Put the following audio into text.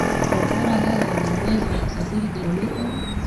kombora hayo yanauwezo wa kusafiri kilomita